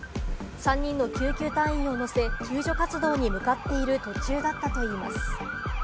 ３人の救急隊員を乗せ、救助活動に向かっている途中だったといいます。